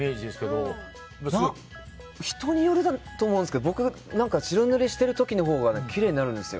人によると思うんですけど僕は白塗りしている時のほうがきれいになるんですよ。